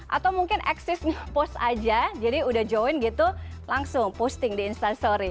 atau mungkin exist post aja jadi udah join gitu langsung posting di instastory